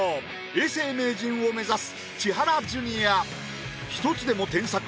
永世名人を目指す千原ジュニア。